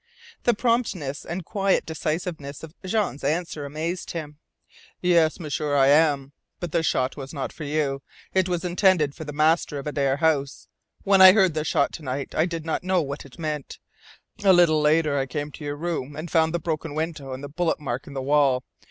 The promptness and quiet decisiveness of Jean's answer amazed him. "Yes, M'sieur, I am. But the shot was not for you. It was intended for the master of Adare House. When I heard the shot to night I did not know what it meant. A little later I came to your room and found the broken window and the bullet mark in the wall.